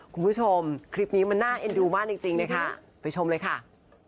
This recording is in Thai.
คุณผู้ชมคลิปนี้มันน่าเอ็นดูมากจริงนะคะไปชมเลยค่ะ